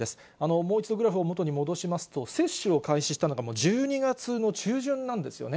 もう一度グラフを元に戻しますと、接種を開始したのが１２月の中旬なんですよね。